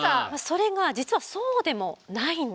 それが実はそうでもないんです。